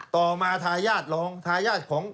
ต่อมาทายาทรองทายาทของ